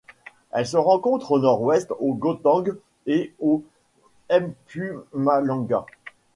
Elle se rencontre au Nord-Ouest, au Gauteng et au Mpumalanga.